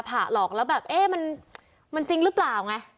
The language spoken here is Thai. ผ่าหลอกแล้วแบบเอ๊ะมันจริงหรือเปล่าไง